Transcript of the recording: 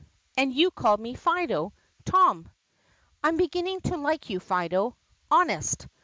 "And you called me Fido, Tom." "I 'm beginning to like you, Fido. Honest."